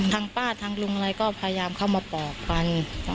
ทางป้าทางลุงอะไรก็พยายามเข้ามาปอกฟัน